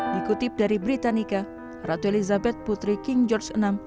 dikutip dari britannica ratu elizabeth putri king george vi